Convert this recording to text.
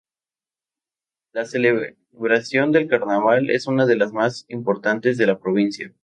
La celebración del carnaval es una de las más importantes de la Provincia.